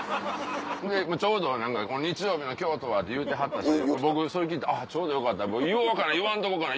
ちょうど「日曜日の京都は」って言うてはったんで僕それ聞いて「ちょうどよかった言おうかな言わんとこかな。